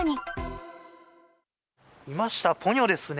いました、ポニョですね。